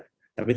tapi kalau tidak